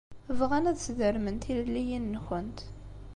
Bɣan ad sdermen tilelliyin-nkent.